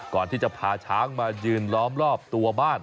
ก่อนที่จะพาช้างมายืนล้อมรอบตัวบ้าน